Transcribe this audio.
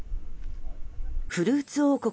フルーツ王国